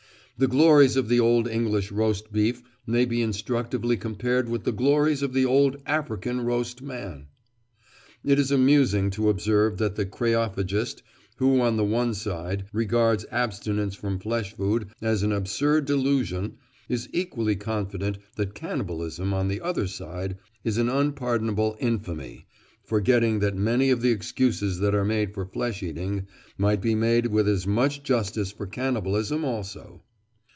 The glories of the old English roast beef may be instructively compared with the glories of the old African roast man. It is amusing to observe that the kreophagist who, on the one side, regards abstinence from flesh food as an absurd delusion is equally confident that cannibalism, on the other side, is an unpardonable infamy, forgetting that many of the excuses that are made for flesh eating might be made with as much justice for cannibalism also.